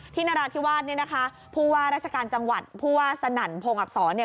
นราธิวาสเนี่ยนะคะผู้ว่าราชการจังหวัดผู้ว่าสนั่นพงศ์อักษรเนี่ย